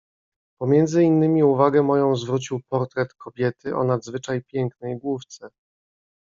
"Pomiędzy innymi uwagę moją zwrócił portret kobiety o nadzwyczaj pięknej główce."